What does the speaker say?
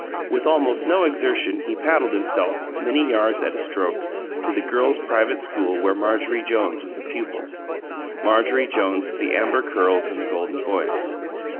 With almost no exertion he paddled himself, many yards at a stroke, to the girls' private school where Marjorie Jones was a pupil Marjorie Jones of the amber curls and the golden voice!